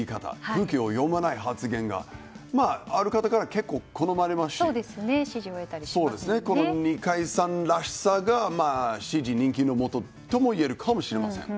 空気を読まない発言がある方が好まれますしこの二階さんらしさが支持、人気のもとといえるかもしれません。